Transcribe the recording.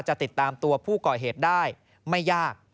จะติดตามตัวผู้ก่อเหตุได้ไม่ยาก